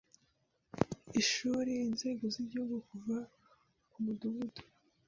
ishuri inzego z’igihugu kuva ku mudugudu